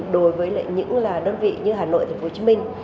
đối với những đơn vị như hà nội tp hcm